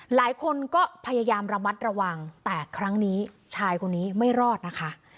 หลายคนก็พยายามระมัดระวังแต่ครั้งนี้ชายคนนี้ไม่รอดนะคะ